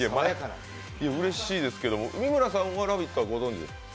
うれしいですけど、三村さんは「ラヴィット！」はご存じ？